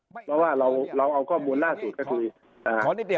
เพราะว่าเราเอาข้อมูลล่าสุดก็คือ